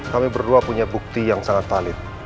kami berdua punya bukti yang sangat valid